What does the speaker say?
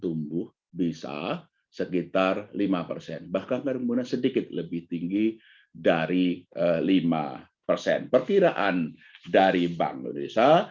tumbuh bisa sekitar lima persen bahkan kerumunan sedikit lebih tinggi dari lima persen perkiraan dari bank indonesia